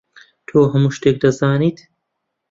تۆ هەموو شتێک دەزانیت.